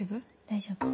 大丈夫。